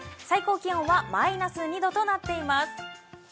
最高気温はマイナス２度となっています。